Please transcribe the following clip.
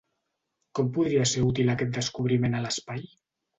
Com podria ser útil aquest descobriment a l’espai?